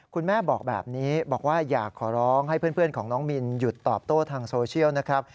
คุณแม่บอกแบบนี้บอกว่าอยากขอร้องให้เพื่อนของน้องมินหยุดตอบโต้ทางโซเชียลนะครับ